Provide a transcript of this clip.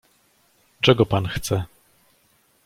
"czego pan chce?"